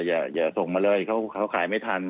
อย่าส่งมาเลยเขาขายไม่ทัน